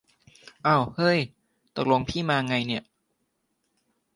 อ้าวเฮ้ย ตกลงพี่มาไงเนี่ย